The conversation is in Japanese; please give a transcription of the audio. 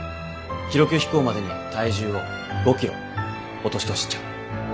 記録飛行までに体重を５キロ落としてほしいっちゃ。